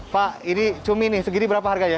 pak ini cumi nih segini berapa harganya